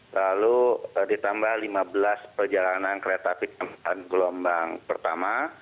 lalu ditambah lima belas perjalanan kereta api gelombang pertama